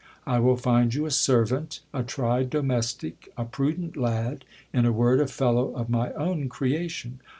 I will find you a servant, a tried domestic, a prudent lad ; in a word, a fellow of my own creation.